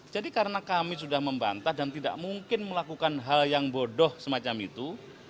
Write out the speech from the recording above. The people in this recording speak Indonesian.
jadi karena kami sudah membantah dan tidak mungkin melakukan hal yang bodoh semacam itu